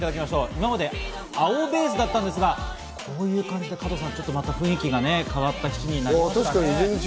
今まで青ベースだったんですが、こういう感じで、また雰囲気が変確かに全然違うね。